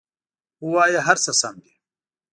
ووایه هر څه سم دي!